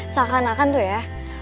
seakan akan tuh ya